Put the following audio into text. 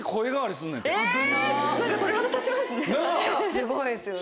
すごいですよね。